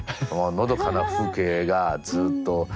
もうのどかな風景がずっと。